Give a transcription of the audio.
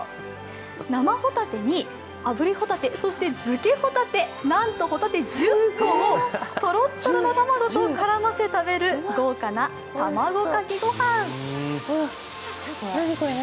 生ホタテにあぶりホタテ、そして漬けホタテ、なんとホタテ１０個をとろっとろの卵と絡ませて食べる豪華な卵かけご飯。